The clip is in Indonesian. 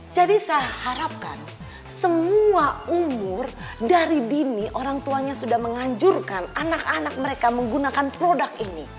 jadi saya harapkan semua umur dari dini orang tuanya sudah menganjurkan anak anak mereka menggunakan produk ini